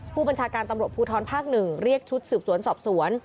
ผู้บัญชาการตำรวจภูทรภาค๑เรียกชุดสืบสวนสอบสวน